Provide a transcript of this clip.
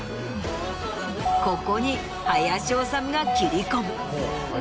ここに林修が切り込む。